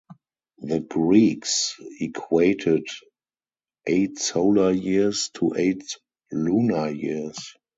The Greeks equated eight solar years to eight lunar years.